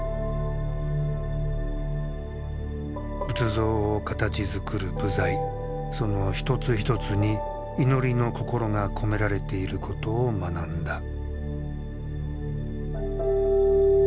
仏像を形づくる部材その一つ一つに祈りの心が込められていることを学んだ。